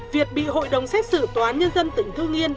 việt bị hội đồng xét xử tòa án nhân dân tỉnh thư yên